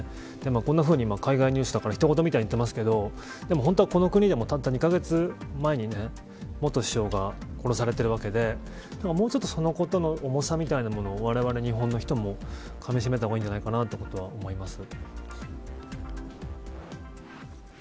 こんなふうに海外ニュースだから他人事みたいにいってますけど本当はこの国でも、たった２カ月前に元首相が殺されているわけでもうちょっとそのことの重さみたいなものをわれわれ日本の人もかみしめたほうがいいんじゃないかと思います。